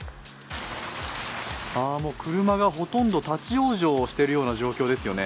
車がほとんど立往生しているような状況ですよね。